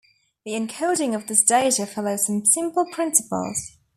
The encoding of this data follows some simple principles.